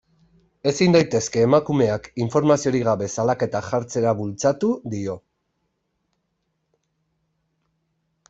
Ezin daitezke emakumeak informaziorik gabe salaketak jartzera bultzatu, dio.